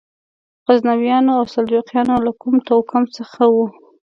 غزنویان او سلجوقیان له کوم توکم څخه وو؟